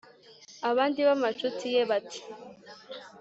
Abandi b’amacuti ye bati